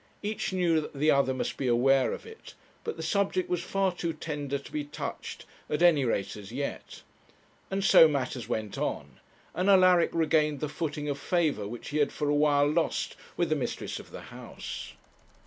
Each knew that the other must be aware of it, but the subject was far too tender to be touched, at any rate as yet. And so matters went on, and Alaric regained the footing of favour which he had for a while lost with the mistress of the house.